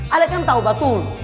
alen kan tahu betul